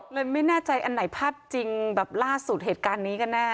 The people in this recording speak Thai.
มันเยอะไปหมดไม่แน่ใจอันไหนภาพจริงแบบล่าสุดเหตุการณ์นี้กันนะ